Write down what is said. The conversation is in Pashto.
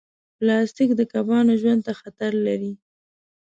پلاستيک د کبانو ژوند ته خطر لري.